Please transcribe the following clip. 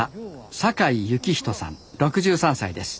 坂井幸人さん６３歳です。